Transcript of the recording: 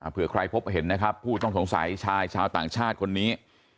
เพื่อใครพบเห็นนะครับผู้ต้องสงสัยชายชาวต่างชาติคนนี้